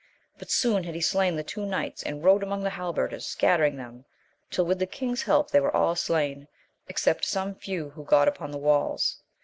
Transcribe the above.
But soon had he slain the two knights, and rode among the halberders, scattering them, till, with the king's help, they were all slain, except some some few who got upon the walls.